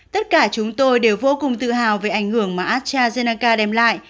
tất cả chúng tôi đều vô cùng tự hào về ảnh hưởng mà astrazeneca đem lại